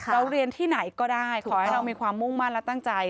เราเรียนที่ไหนก็ได้ขอให้เรามีความมุ่งมั่นและตั้งใจ